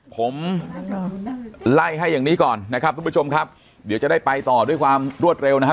ผมไล่ให้อย่างนี้ก่อนนะครับทุกผู้ชมครับเดี๋ยวจะได้ไปต่อด้วยความรวดเร็วนะฮะ